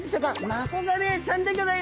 マコガレイちゃんでギョざいます。